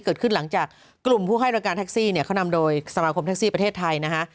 เกิดขึ้นหลังจากกลุ่มผู้ให้บริการแท็กซี่เนี่ยเขานำโดยสมาคมแท็กซี่ประเทศไทยนะฮะ